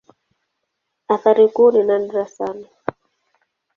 Athari kuu ni nadra sana.